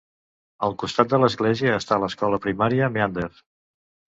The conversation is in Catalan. Al costat de l'església està l'escola primària Meander.